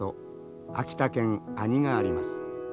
秋田県阿仁があります。